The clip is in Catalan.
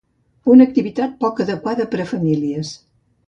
Una activitat poc adequada per a famílies.